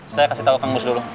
saya kasih tau kang bus dulu